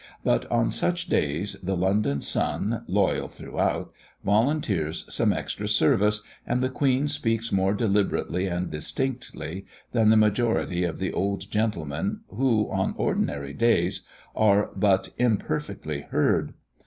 But on such days, the London sun, loyal throughout, volunteers some extra service, and the Queen speaks more deliberately and distinctly than the majority of the old gentlemen who, on ordinary days, are "but imperfectly heard."